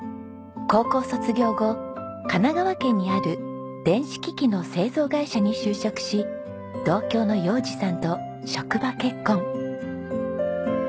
高校卒業後神奈川県にある電子機器の製造会社に就職し同郷の洋治さんと職場結婚。